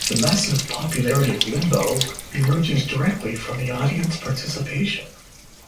The massive popularity of limbo emerges directly from this audience participation.